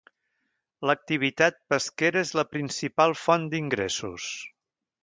L'activitat pesquera és la principal font d'ingressos.